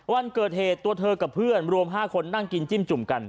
วันเกิดเหตุตัวเธอกับเพื่อนรวม๕คนนั่งกินจิ้มจุ่มกัน